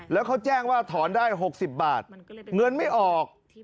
แล้วเขาแจ้งว่าถอนได้๖๐บาทเงินไม่ออก